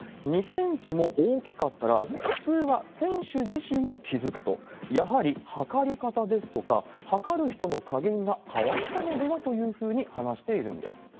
２センチも大きかったら、普通は選手自身も気付くと、やはり測り方ですとか、測る人の加減が変わったのでは？というふうに話しているんです。